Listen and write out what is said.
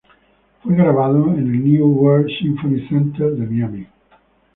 Fue grabado en el New World Symphony Center de Miami.